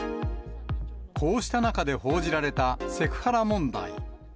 こうした中で報じられたセクハラ問題。